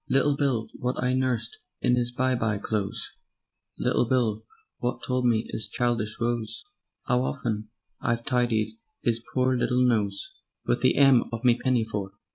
Little Bill wot I nussed in 'is by by clothes; Little Bill wot told me 'is childish woes; 'Ow often I've tidied 'is pore little nose Wiv the 'em of me pinnyfore.